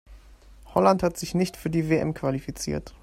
Holland hat sich nicht für die WM qualifiziert.